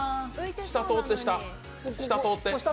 下通って、下。